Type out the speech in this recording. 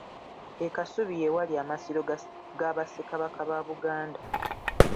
E Kasubi ye wali amasiro ga Bassekabaka ba Buganda.